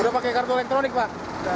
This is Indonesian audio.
udah pakai karbon elektronik pak